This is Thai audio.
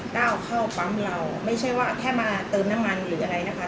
ก้าวเข้าปั๊มเราไม่ใช่ว่าแค่มาเติมน้ำมันหรืออะไรนะคะ